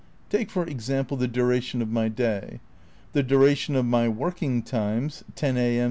Take, for example, the duration of my day. The dura tion of my working times (10 a. m.